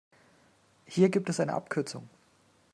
Hier gibt es eine Abkürzung.